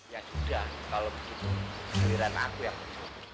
ya sudah kalau begitu kewiran aku yang mencuri